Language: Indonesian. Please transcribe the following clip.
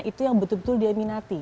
itu yang betul betul dia minati